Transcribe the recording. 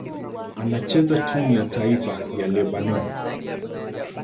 Anachezea timu ya taifa ya Lebanoni.